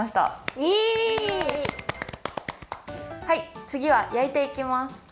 はいつぎはやいていきます。